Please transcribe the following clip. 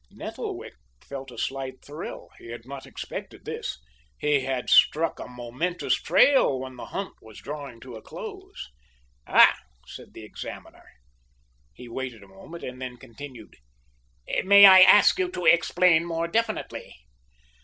Nettlewick felt a slight thrill. He had not expected this. He had struck a momentous trail when the hunt was drawing to a close. "Ah!" said the examiner. He waited a moment, and then continued: "May I ask you to explain more definitely?"